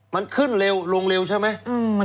ใครคือน้องใบเตย